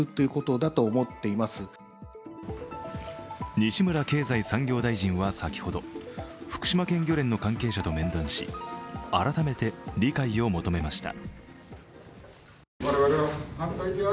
西村経済産業大臣は先ほど福島県漁連の関係者を面談し、改めて理解を求めました。